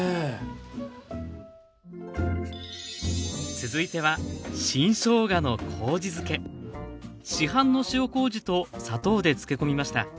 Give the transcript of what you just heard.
続いては市販の塩麹と砂糖で漬け込みました。